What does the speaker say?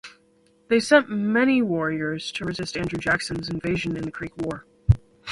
They sent many warriors to resist Andrew Jackson's invasion in the Creek War.